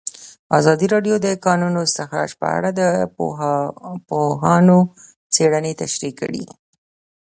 ازادي راډیو د د کانونو استخراج په اړه د پوهانو څېړنې تشریح کړې.